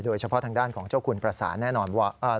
โดยเฉพาะทางด้านของเจ้าคุณประสานแน่นอนว่า